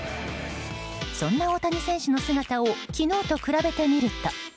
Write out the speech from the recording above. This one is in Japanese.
そんな大谷選手の姿を昨日と比べてみると。